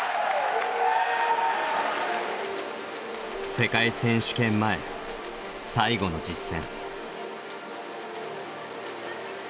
世界選手権前最後の実戦。